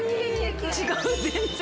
違う全然！